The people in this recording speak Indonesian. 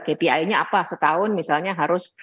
kpi nya apa setahun misalnya harus